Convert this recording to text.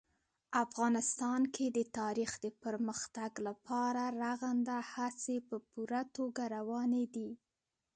افغانستان کې د تاریخ د پرمختګ لپاره رغنده هڅې په پوره توګه روانې دي.